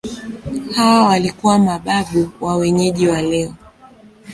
Hawa walikuwa mababu wa wenyeji wa leo.